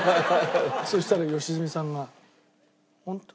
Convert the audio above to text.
そしたら良純さんが「本当？」。